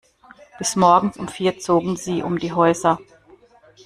Bis morgens um vier zogen sie um die Häuser.